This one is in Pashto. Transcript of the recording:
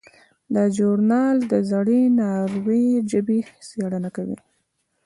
دا ژورنال د زړې ناروېي ژبې څیړنه کوي.